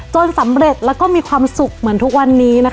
จนสำเร็จและมีความสุขเหมือนทุกวันนี้